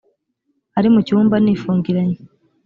ari mu cyumba nifungiranye .